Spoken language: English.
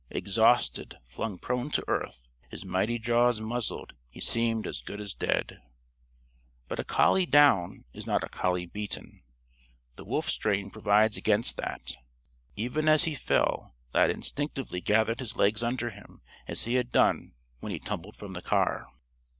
Exhausted, flung prone to earth, his mighty jaws muzzled, he seemed as good as dead. But a collie down is not a collie beaten. The wolf strain provides against that. Even as he fell Lad instinctively gathered his legs under him as he had done when he tumbled from the car.